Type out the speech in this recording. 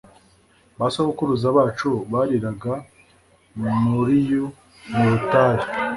Ba sogokuruza bacu bariraga Mariu mu butayu,